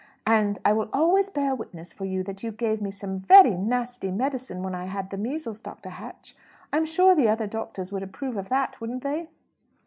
"And I will always bear witness for you that you gave me some very nasty medicine when I had the measles, Dr. Hatch. I'm sure the other doctors would approve of that, wouldn't they?"